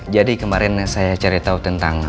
jadi kemarin saya cari tau tentang